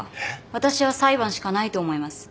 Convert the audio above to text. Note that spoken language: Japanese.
私は裁判しかないと思います。